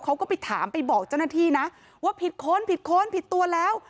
เขาก็ไปถามไปบอกเจ้าหน้าที่นะว่าผิดค้นผิดค้นผิดตัวแล้ว